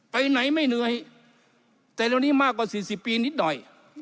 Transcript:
ไปไหนไม่เหนื่อยแต่เร็วนี้มากกว่า๔๐ปีนิดหน่อย